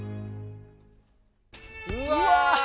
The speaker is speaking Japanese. うわ！